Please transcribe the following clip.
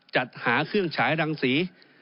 จัดหาเครื่องฉายรังสี